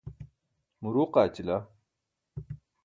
muruuq aaćila.